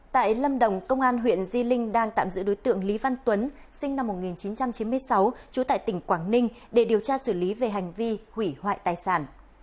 tại lâm đồng công an huyện di linh đang tạm giữ đối tượng lý văn tuấn sinh năm một nghìn chín trăm chín mươi sáu trú tại tỉnh quảng ninh để điều tra xử lý về hành vi hủy hoại tài sản